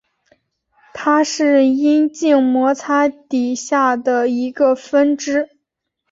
它是阴茎摩擦底下的一个分支。